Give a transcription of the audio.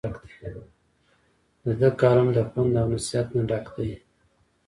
د دۀ کالم د پند او نصيحت نه ډک دے ۔